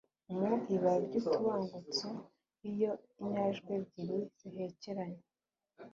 Mu ibara ry'utubangutso, iyo inyajwi ebyiri zikurikiranye,